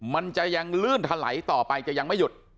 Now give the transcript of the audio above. มันจะยังลื่นถลายต่อไปจะยังไม่หยุด